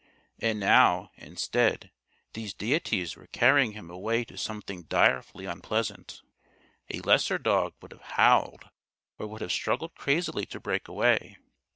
And now, instead, these deities were carrying him away to something direfully unpleasant. A lesser dog would have howled or would have struggled crazily to break away.